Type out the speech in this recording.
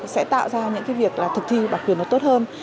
sẽ tạo ra những việc thực thi bản quyền tốt hơn